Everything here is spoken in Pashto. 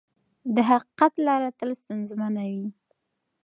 د حقیقت لاره تل ستونزمنه وي.